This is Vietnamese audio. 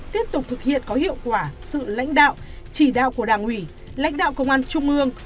tiếp tục thực hiện có hiệu quả sự lãnh đạo chỉ đạo của đảng ủy lãnh đạo công an trung ương